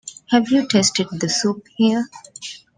Have you tasted the soup here?